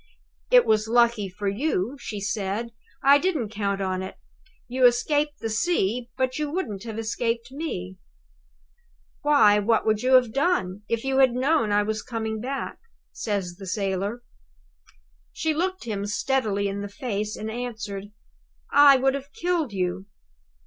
"It's lucky for you," she said, "I didn't count on it. You have escaped the sea, but you wouldn't have escaped me." "Why, what would you have done, if you had known I was coming back?" says the sailor. She looked him steadily in the face, and answered: "I would have killed you."